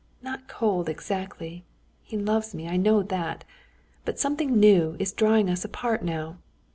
not cold exactly, he loves me, I know that! But something new is drawing us apart now.